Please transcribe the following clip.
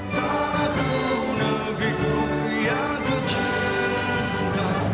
satu negeriku yang ku cinta